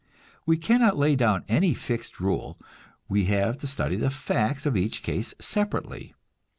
We cannot lay down any fixed rule; we have to study the facts of each case separately.